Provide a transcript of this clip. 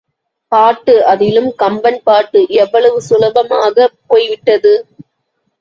பாட்டு அதிலும் கம்பன் பாட்டு எவ்வளவு சுலபமாகப் போய்விட்டது.